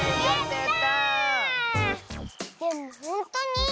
でもほんとに？